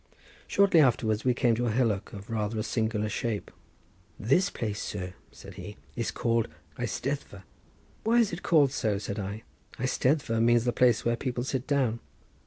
Shortly afterwards we came to a hillock of rather a singular shape. "This place, sir," said he, "is called Eisteddfa." "Why is it called so?" said I. "Eisteddfa means the place where people sit down."